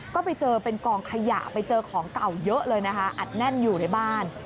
ก็ไปเจอเป็นกองขยะไปเจอของเก่าเยอะเลยนะคะอัดแน่นอยู่ในบ้าน